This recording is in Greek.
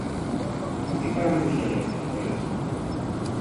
Μα τι παραμύθια είναι αυτά που λες;